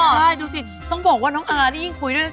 ใช่ดูสิต้องบอกว่าน้องอานี่ยิ่งคุยด้วยนะ